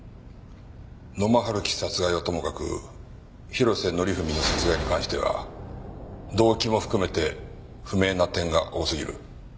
野間春樹殺害はともかく広瀬則文の殺害に関しては動機も含めて不明な点が多すぎる。